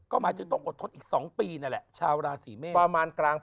ก็หมายถึงต้องอดทนอีก๒ปีนั่นแหละชาวราศีเมษประมาณกลาง